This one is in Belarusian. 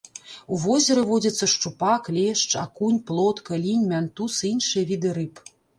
У возеры водзяцца шчупак, лешч, акунь, плотка, лінь, мянтуз і іншыя віды рыб.